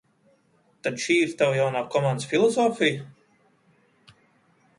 Tad šī ir tava jaunā komandas filosofija?